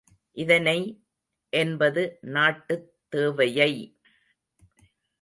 இதனை என்பது நாட்டுத் தேவையை!